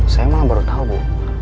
saya malah baru tahu bu